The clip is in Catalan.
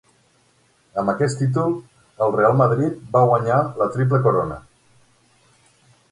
Amb aquest títol, el Real Madrid va guanyar la triple corona.